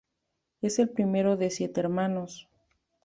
Es el primero de siete hermanos.